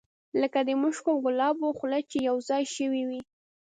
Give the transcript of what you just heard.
لکه د مشکو او ګلابو خوله چې یو ځای شوې وي.